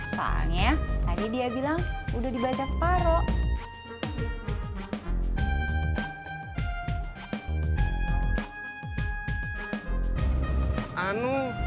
soalnya tadi dia bilang udah dibaca separoh